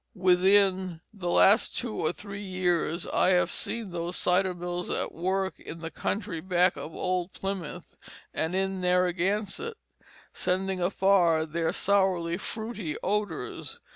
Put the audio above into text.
Within the last two or three years I have seen those cider mills at work in the country back of old Plymouth and in Narragansett, sending afar their sourly fruity odors.